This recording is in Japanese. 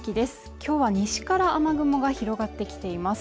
今日は西から雨雲が広がってきています